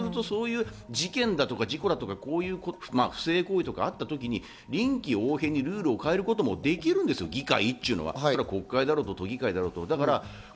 事件だとか事故だとか、不正行為とかがあったときに臨機応変にルールを変えることもできるんです、議会っちゅうのは国会であろうと都議会であろうと。